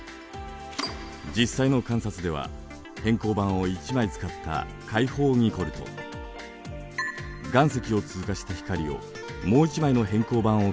実際の観察では偏光板を１枚使った開放ニコルと岩石を通過した光をもう一枚の偏光板を通す